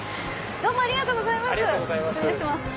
どうもありがとうございます失礼します。